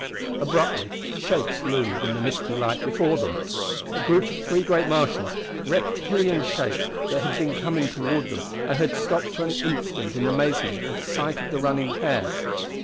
Abruptly shapes loomed in the misty light before them! A group of three great Martians, reptilian shapes that had been coming toward them and had stopped for an instant in amazement at sight of the running pair.